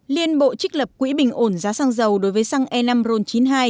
liên bộ trích lập quỹ bình ổn giá xăng dầu đối với xăng e năm ron chín mươi hai